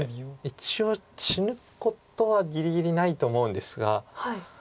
一応死ぬことはぎりぎりないと思うんですが。